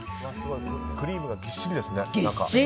クリームがぎっしりですね。